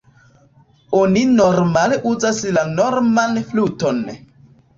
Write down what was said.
Oni normale uzas la norman fluton.